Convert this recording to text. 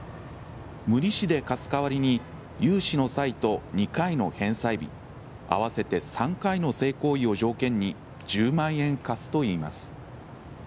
無利子で貸す代わりに融資の際と２回の返済日合わせて３回の性行為を条件に１０万円貸すといいます。